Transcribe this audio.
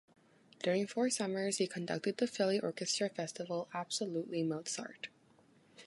During four summers, he conducted the Philly Orchestra Festival "Absolutely Mozart".